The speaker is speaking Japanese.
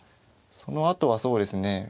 そのあとはそうですね